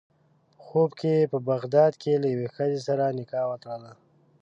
په خوب کې یې په بغداد کې له یوې ښځې سره نکاح وتړله.